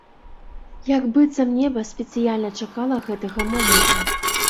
Як быццам неба спецыяльна чакала гэтага моманту.